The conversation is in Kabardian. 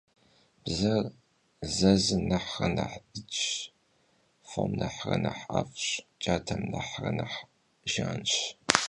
Bzer zezım nexhre nexh dıcş, fom nexhre nexh 'ef'ş, catem nexhre nexh jjanş.